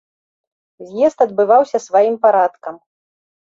З'езд адбываўся сваім парадкам.